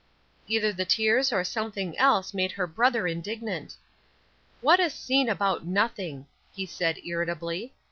Either the tears or something else made her brother indignant. "What a scene about nothing," he said, irritably.